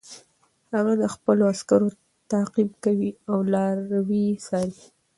هغه د خپلو عسکرو تعقیب کوي او لاروي څاري.